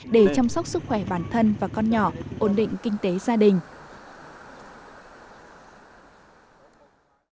để chăm sóc sức khỏe bản thân và con nhỏ ổn định kinh tế gia đình